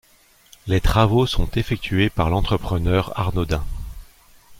Les travaux sont effectués par l'entrepreneur Arnodin.